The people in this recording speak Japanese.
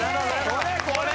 これこれ！